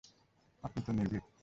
আপনি তো নির্ভীক।